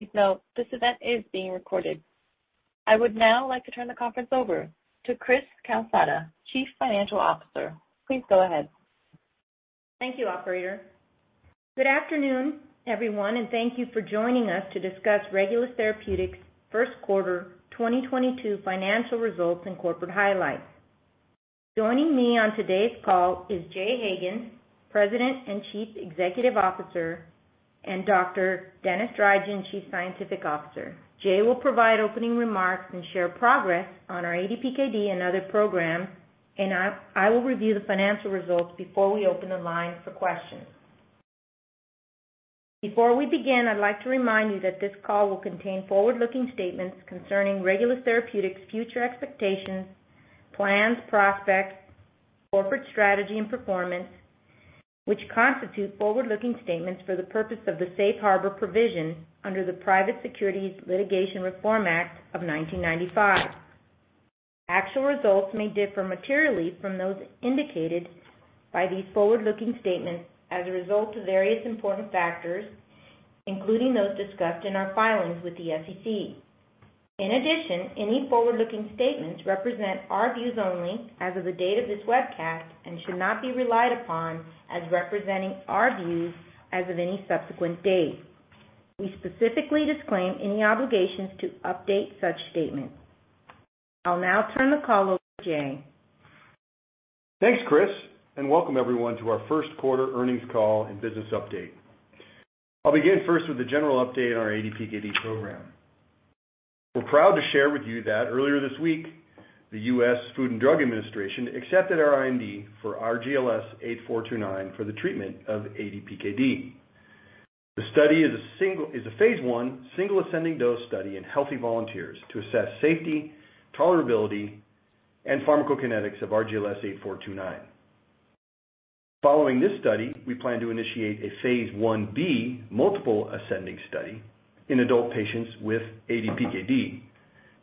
Please note, this event is being recorded. I would now like to turn the conference over to Cris Calsada, Chief Financial Officer. Please go ahead. Thank you, operator. Good afternoon, everyone, and thank you for joining us to discuss Regulus Therapeutics' first quarter 2022 financial results and corporate highlights. Joining me on today's call is Jay Hagan, President and Chief Executive Officer, and Dr. Denis Drygin, Chief Scientific Officer. Jay will provide opening remarks and share progress on our ADPKD and other programs, and I will review the financial results before we open the line for questions. Before we begin, I'd like to remind you that this call will contain forward-looking statements concerning Regulus Therapeutics' future expectations, plans, prospects, corporate strategy and performance, which constitute forward-looking statements for the purpose of the Safe Harbor provision under the Private Securities Litigation Reform Act of 1995. Actual results may differ materially from those indicated by these forward-looking statements as a result of various important factors, including those discussed in our filings with the SEC. In addition, any forward-looking statements represent our views only as of the date of this webcast and should not be relied upon as representing our views as of any subsequent date. We specifically disclaim any obligations to update such statements. I'll now turn the call over to Jay. Thanks, Cris, and welcome everyone to our first quarter earnings call and business update. I'll begin first with a general update on our ADPKD program. We're proud to share with you that earlier this week, the U.S. Food and Drug Administration accepted our IND for RGLS8429 for the treatment of ADPKD. The study is a phase I, single-ascending dose study in healthy volunteers to assess safety, tolerability, and pharmacokinetics of RGLS8429. Following this study, we plan to initiate a phase I-B multiple-ascending study in adult patients with ADPKD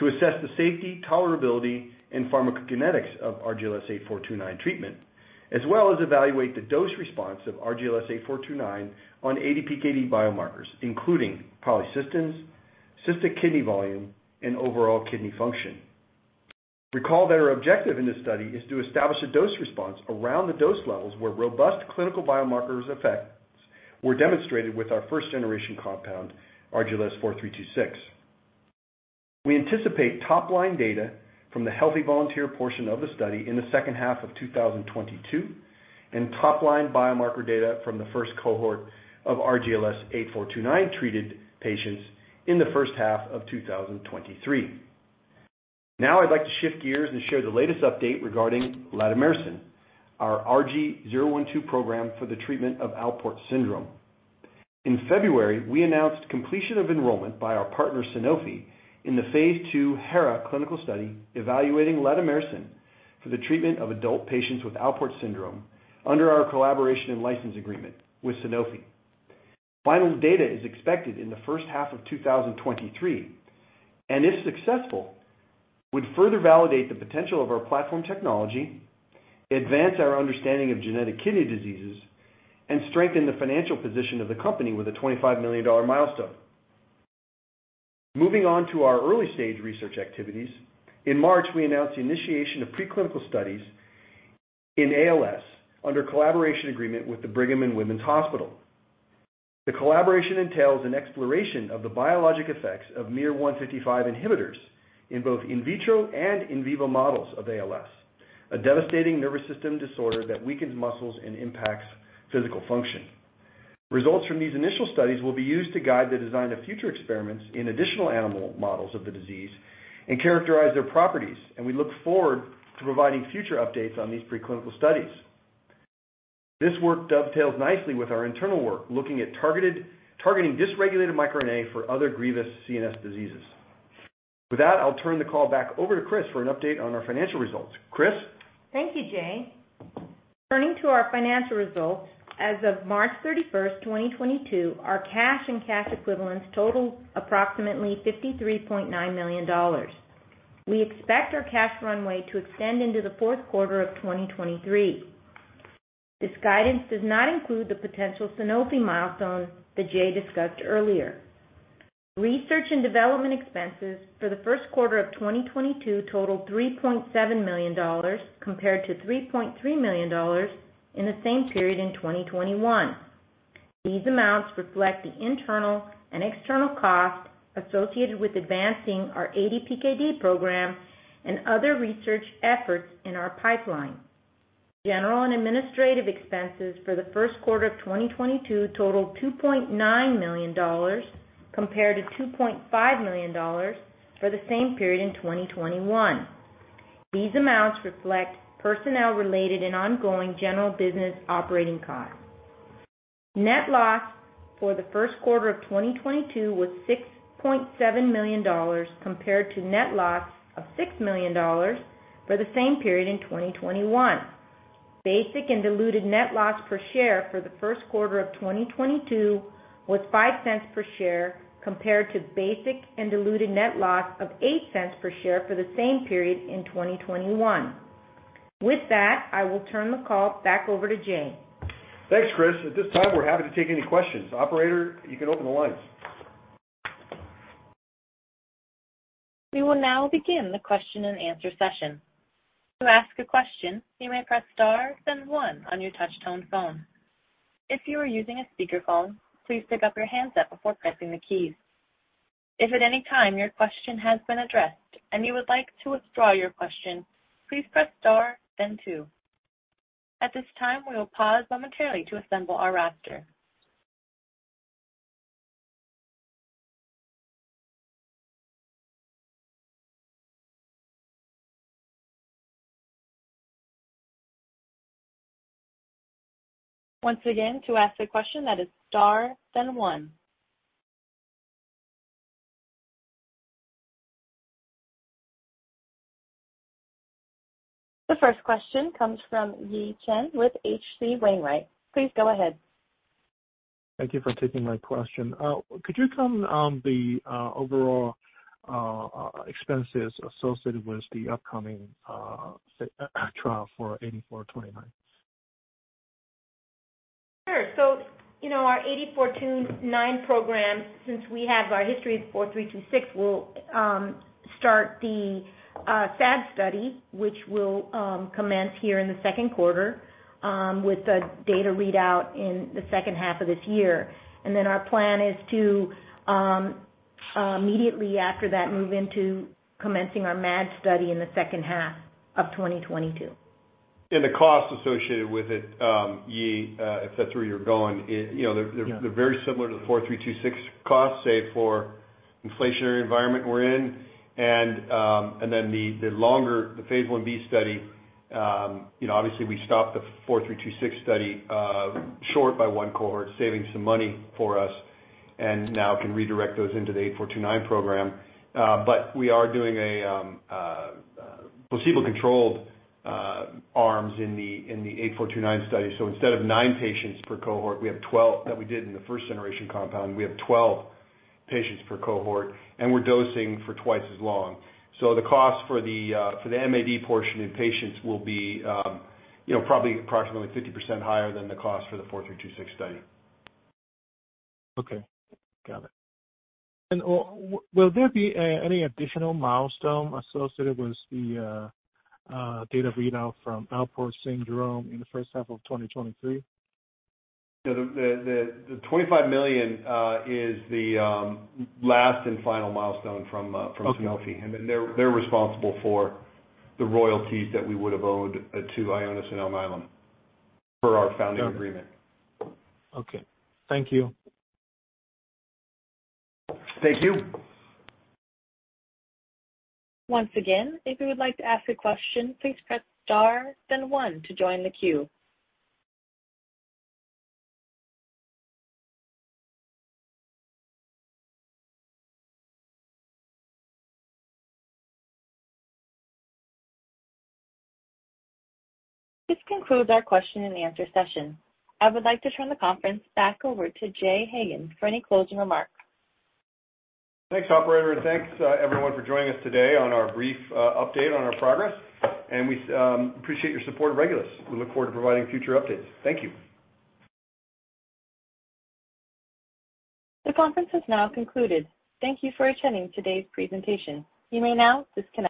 to assess the safety, tolerability, and pharmacokinetics of RGLS8429 treatment, as well as evaluate the dose response of RGLS8429 on ADPKD biomarkers, including polycystin, cystic kidney volume, and overall kidney function. Recall that our objective in this study is to establish a dose response around the dose levels where robust clinical biomarkers effects were demonstrated with our first-generation compound, RGLS4326. We anticipate top-line data from the healthy volunteer portion of the study in the second half of 2022, and top-line biomarker data from the first cohort of RGLS8429-treated patients in the first half of 2023. Now I'd like to shift gears and share the latest update regarding lademirsen, our RG-012 program for the treatment of Alport syndrome. In February, we announced completion of enrollment by our partner, Sanofi, in the phase II HERA clinical study evaluating lademirsen for the treatment of adult patients with Alport syndrome under our collaboration and license agreement with Sanofi. Final data is expected in the first half of 2023, and if successful, would further validate the potential of our platform technology, advance our understanding of genetic kidney diseases, and strengthen the financial position of the company with a $25 million milestone. Moving on to our early-stage research activities. In March, we announced the initiation of preclinical studies in ALS under a collaboration agreement with the Brigham and Women's Hospital. The collaboration entails an exploration of the biologic effects of miR-155 inhibitors in both in-vitro and in-vivo models of ALS, a devastating nervous system disorder that weakens muscles and impacts physical function. Results from these initial studies will be used to guide the design of future experiments in additional animal models of the disease and characterize their properties, and we look forward to providing future updates on these preclinical studies. This work dovetails nicely with our internal work, looking at targeting dysregulated microRNA for other grievous CNS diseases. With that, I'll turn the call back over to Cris for an update on our financial results. Cris? Thank you, Jay. Turning to our financial results, as of March 31, 2022, our cash and cash equivalents totaled approximately $53.9 million. We expect our cash runway to extend into the fourth quarter of 2023. This guidance does not include the potential Sanofi milestone that Jay discussed earlier. Research and development expenses for the first quarter of 2022 totaled $3.7 million compared to $3.3 million in the same period in 2021. These amounts reflect the internal and external costs associated with advancing our ADPKD program and other research efforts in our pipeline. General and administrative expenses for the first quarter of 2022 totaled $2.9 million compared to $2.5 million for the same period in 2021. These amounts reflect personnel-related and ongoing general business operating costs. Net loss for the first quarter of 2022 was $6.7 million compared to net loss of $6 million for the same period in 2021. Basic and diluted net loss per share for the first quarter of 2022 was $0.05 per share compared to basic and diluted net loss of $0.08 per share for the same period in 2021. With that, I will turn the call back over to Jay. Thanks, Chris. At this time, we're happy to take any questions. Operator, you can open the lines. We will now begin the question-and-answer session. To ask a question, you may press star then one on your touch-tone phone. If you are using a speaker phone, please pick up your handset before pressing the keys. If at any time your question has been addressed and you would like to withdraw your question, please press star then two. At this time, we will pause momentarily to assemble our roster. Once again, to ask a question that is star then one. The first question comes from Yi Chen with H.C. Wainwright. Please go ahead. Thank you for taking my question. Could you comment on the overall expenses associated with the upcoming trial for 8429? Sure. You know, our 8429 program, since we have our history of 4326, we'll start the SAD study, which will commence here in the second quarter, with the data readout in the second half of this year. Our plan is to immediately after that, move into commencing our MAD study in the second half of 2022. The cost associated with it, Yi, if that's where you're going, you know, they're very similar to the 4326 cost, save for the inflationary environment we're in. The longer the phase I-B study, you know, obviously we stopped the 4326 study short by one cohort, saving some money for us. Now we can redirect those into the 8429 program. We are doing placebo-controlled arms in the 8429 study. Instead of nine patients per cohort, we have 12 that we did in the first generation compound, we have 12 patients per cohort, and we're dosing for twice as long. The cost for the MAD portion in patients will be, you know, probably approximately 50% higher than the cost for the 4326 study. Okay. Got it. Will there be any additional milestone associated with the data readout from Alport syndrome in the first half of 2023? The $25 million is the last and final milestone from Sanofi. They're responsible for the royalties that we would've owed to Ionis and Alnylam for our founding agreement. Okay. Thank you. Thank you. Once again, if you would like to ask a question, please press star then one to join the queue. This concludes our question-and-answer session. I would like to turn the conference back over to Jay Hagan for any closing remarks. Thanks, operator. Thanks, everyone for joining us today on our brief update on our progress. We appreciate your support of Regulus. We look forward to providing future updates. Thank you. The conference has now concluded. Thank you for attending today's presentation. You may now disconnect.